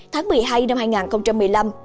tháng một mươi hai năm hai nghìn một mươi năm